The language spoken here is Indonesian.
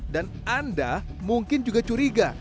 dan anda mungkin juga curiga